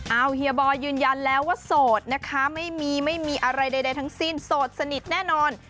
เอาเฮียบอยยืนยันแล้วว่าโสดนะคะไม่มีไม่มีอะไรใดทั้งสิ้นโสดสนิทแน่นอน